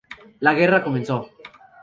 La guerra comenzó.